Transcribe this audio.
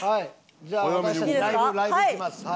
じゃあ私たちライブ行きます。